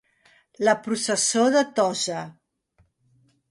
La processó de Tossa.